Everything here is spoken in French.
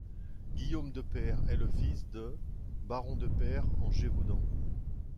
Guillaume de Peyre est le fils d', baron de Peyre en Gévaudan.